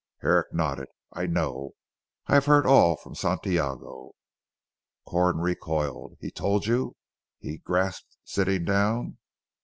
Herrick nodded. "I know. I have heard all from Santiago." Corn recoiled. "He told you," he grasped sitting down.